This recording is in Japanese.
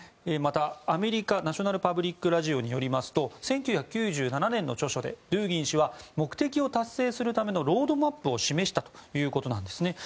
また、アメリカのナショナル・パブリック・ラジオによりますと１９９７年の著書でドゥーギン氏は目的を達成するためのロードマップを示したということです。